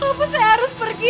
kalo saya harus pergi